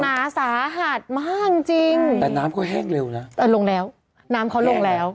หนาสาหัสมากจริงจริงแต่น้ำก็แห้งเร็วนะเออลงแล้วน้ำเขาลงแล้ว